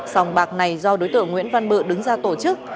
sòng bạc này do đối tượng nguyễn văn bự đứng ra tổ chức